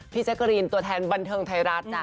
แจ๊กกะรีนตัวแทนบันเทิงไทยรัฐ